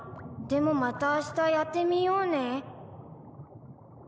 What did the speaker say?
でもまたあしたやってみようね。